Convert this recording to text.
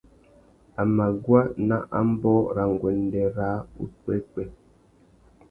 A mà guá nà ambōh râ nguêndê râā upwêpwê.